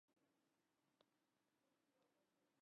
Ferbergje karren.